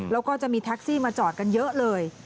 แล้วก็จะมีแท็กซี่มาจอดกันเยอะเลย